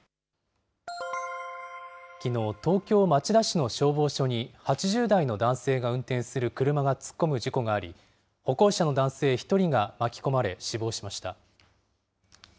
きのう、東京・町田市の消防署に８０代の男性が運転する車が突っ込む事故があり、歩行者の男性１人が巻き込まれ、死亡しました。